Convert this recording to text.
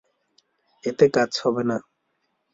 এতে কাজ হবেনা।